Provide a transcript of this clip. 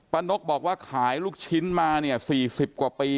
ป้านกบอกว่าขายลูกชิ้นมา๔๐กว่าปี